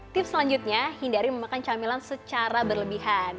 tips selanjutnya hindari memakan camilan secara berlebihan